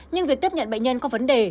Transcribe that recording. nhưng việc tiếp nhận bệnh nhân có vấn đề